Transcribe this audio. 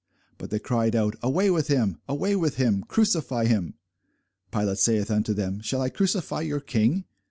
But they cried out, Away with him, away with him, crucify him. Pilate saith unto them, Shall I crucify your King?